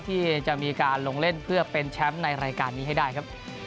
ที่จะมีการลงเล่นเพื่อเป็นแชมป์ในรายการนี้ให้ได้ครับ